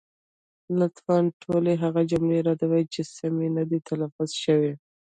لطفا ټولې هغه جملې رد کړئ، چې سمې نه دي تلفظ شوې.